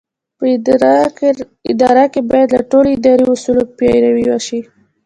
په ادارو کې باید له ټولو اداري اصولو پیروي وشي.